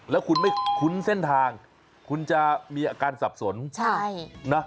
แล้วคุณไม่คุ้นเส้นทางคุณจะมีอาการสับสน